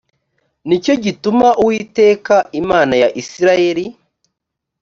ni cyo gituma uwiteka imana ya isirayeli